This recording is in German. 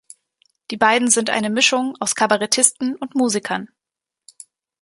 Die beiden sind eine Mischung aus Kabarettisten und Musikern.